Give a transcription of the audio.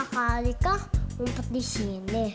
sebaliknya weaknya kita tolak kereta tentu